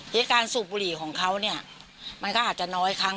เหตุการณ์สูบบุหรี่ของเขาเนี่ยมันก็อาจจะน้อยครั้ง